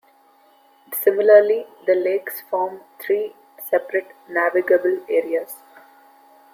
Similarly, the lakes form three separate navigable areas.